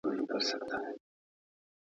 ورو ورو ایره کیږم انګار نه لرم